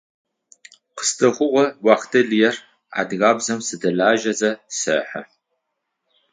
Къыздэхъугъэ уахътэ лыер, адыгабзэм сыдэлажьэзэ сэхьы.